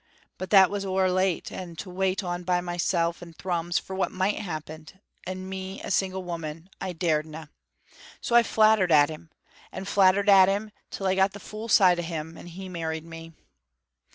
But that was ower late, and to wait on by mysel' in Thrums for what might happen, and me a single woman I daredna! So I flattered at him, and flattered at him, till I got the fool side o' him, and he married me.